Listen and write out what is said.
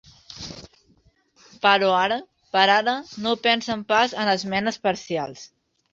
Però ara per ara no pensen pas en esmenes parcials.